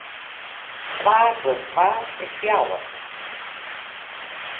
Twa plus twa is fjouwer.